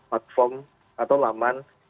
platform atau laman